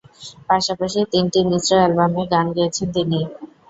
পাশাপাশি তিনটি মিশ্র অ্যালবামে গান গেয়েছেন তিনি।